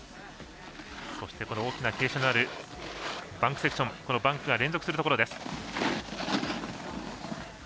そして、大きな傾斜のあるバンクセクションバンクが連続するところです。